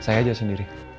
saya aja sendiri